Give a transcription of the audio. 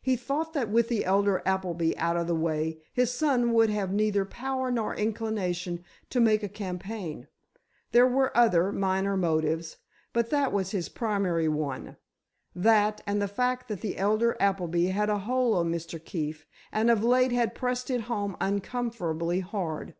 He thought that with the elder Appleby out of the way, his son would have neither power nor inclination to make a campaign. There were other, minor motives, but that was his primary one. That, and the fact that the elder Appleby had a hold on Mr. Keefe, and of late had pressed it home uncomfortably hard.